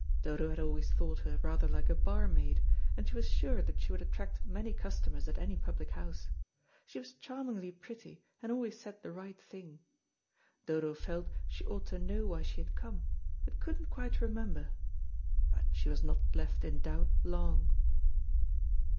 Dodo had always thought her rather like a barmaid, and she was sure that she would attract many customers at any public house. She was charmingly pretty, and always said the right thing. Dodo felt she ought to know why she had come, but couldn't quite remember. But she was not left in doubt long.